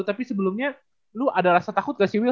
tapi sebelumnya lo ada rasa takut gak sih will